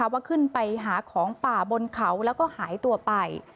ว่าขึ้นไปหาของป่าบนเขาแล้วก็หายตัวไป